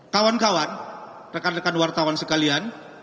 kawan kawan rekan rekan wartawan sekalian